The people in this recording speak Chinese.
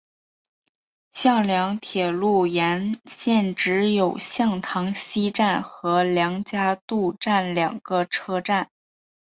向梁铁路沿线只有向塘西站和梁家渡站两个车站。